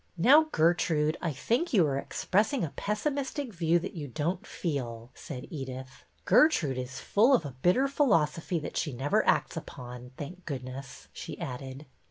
'' Now, Gertrude, I think you are expressing a MARY KING'S PLAN 259 pessimistic view that you don't feel," said Edyth. " Gertrude is full of a bitter philosophy that she never acts upon, thank goodness," she added.